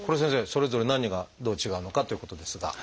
それぞれ何がどう違うのかということですが。